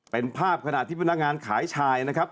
เป็นภาพขณะที่พนักงานขายชายนะครับ